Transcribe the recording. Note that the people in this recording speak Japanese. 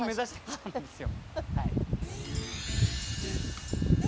そうなんですよはい。